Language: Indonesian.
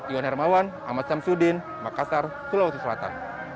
iwan hermawan ahmad syamsuddin makassar sulawesi selatan